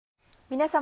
皆様。